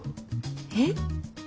えっ？